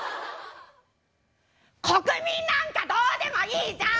国民なんかどうでもいいじゃん！